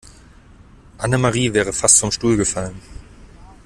Annemarie wäre fast vom Stuhl gefallen.